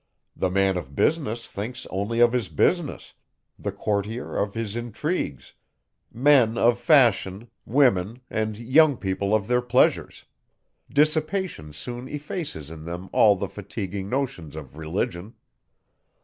The man of business thinks only of his business; the courtier of his intrigues; men of fashion, women, and young people of their pleasures; dissipation soon effaces in them all the fatiguing notions of Religion.